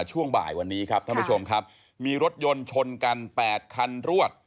ช่วงบ่ายวันนี้ครับท่านผู้ชมครับมีรถยนต์ชนกัน๘คันรวด